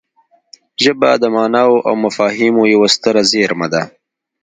ژبه د ماناوو او مفاهیمو یوه ستره زېرمه ده